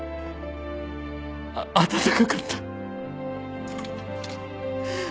温かかった。